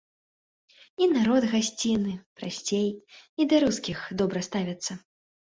І народ гасцінны, прасцей, і да рускіх добра ставяцца.